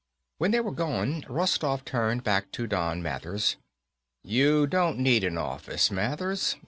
When they were gone, Rostoff turned back to Don Mathers. "You don't need an office, Mathers.